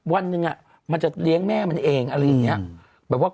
วันหนึ่งมันจะเลี้ยงแม่มันเองอะไรอย่างนี้